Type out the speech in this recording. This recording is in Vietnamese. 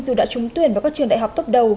dù đã trúng tuyển vào các trường đại học tốt đầu